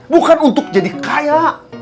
bukan untuk jadi kaya